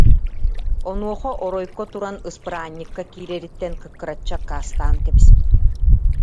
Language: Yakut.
Онуоха Оройко туран ыспыраанньыкка киирэриттэн кыккыраччы аккаастаан кэбиспит